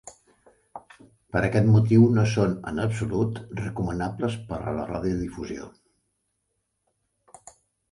Per aquest motiu no són, en absolut, recomanables per a la radiodifusió.